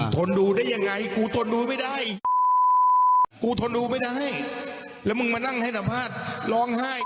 ส่วนนักร้อง